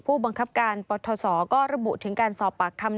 ผู้บังคับการปทศก็ระบุถึงการสอบปากคำ